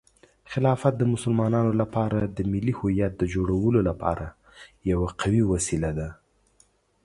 خلافت د مسلمانانو لپاره د ملي هویت د جوړولو لپاره یوه قوي وسیله ده.